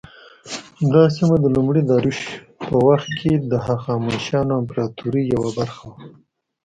دا سیمه د لومړي داریوش په وخت کې د هخامنشیانو امپراطورۍ یوه برخه وه.